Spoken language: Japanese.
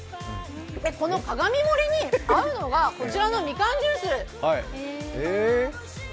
この鏡盛りに合うのがこちらのみかんジュース。